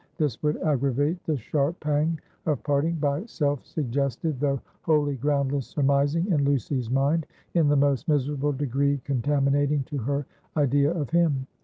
This would aggravate the sharp pang of parting, by self suggested, though wholly groundless surmising in Lucy's mind, in the most miserable degree contaminating to her idea of him.